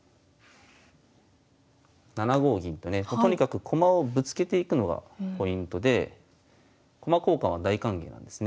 ７五銀とねとにかく駒をぶつけていくのがポイントで駒交換は大歓迎なんですね。